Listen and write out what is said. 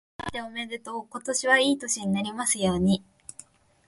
あけましておめでとう。今年はいい年になりますように。